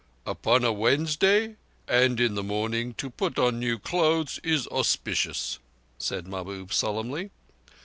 "Upon a Wednesday, and in the morning, to put on new clothes is auspicious," said Mahbub solemnly.